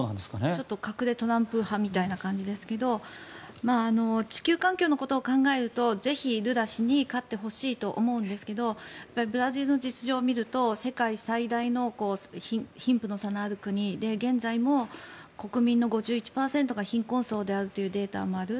ちょっと隠れトランプ派みたいな感じですが地球環境のことを考えるとぜひ、ルラ氏に勝ってほしいと思うんですがブラジルの実情を見ると世界最大の貧富の差がある国で現在も国民の５１％が貧困層であるというデータもある。